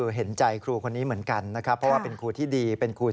แล้วก็อยากให้เรื่องนี้จบไปเพราะว่ามันกระทบกระเทือนทั้งจิตใจของคุณครู